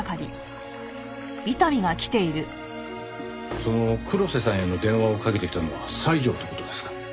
その黒瀬さんへの電話をかけてきたのは西條って事ですか？